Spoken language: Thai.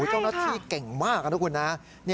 เจ้าหน้าที่เก่งมากนะคุณนะ